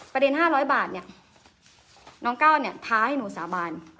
๕๐๐บาทเนี่ยน้องก้าวเนี่ยท้าให้หนูสาบาน